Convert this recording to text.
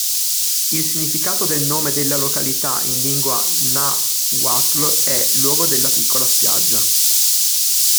Il significato del nome della località in lingua nahuatl è "luogo della piccola spiaggia".